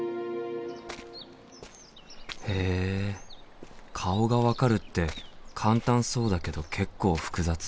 へえ顔が分かるって簡単そうだけど結構複雑。